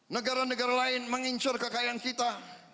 negara negara lain mengincur kekayaan kita